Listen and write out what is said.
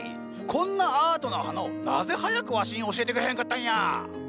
こんなアートな花をなぜ早くわしに教えてくれへんかったんや！